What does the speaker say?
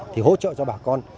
thì hỗ trợ cho bà con